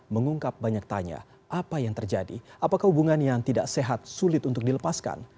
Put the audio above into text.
mengungkap banyak tanya apa yang terjadi apakah hubungan yang tidak sehat sulit untuk dilepaskan